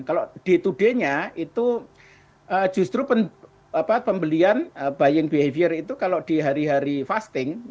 kalau day to day nya itu justru pembelian buying behavior itu kalau di hari hari fasting